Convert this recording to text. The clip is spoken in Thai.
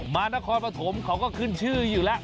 นครปฐมเขาก็ขึ้นชื่ออยู่แล้ว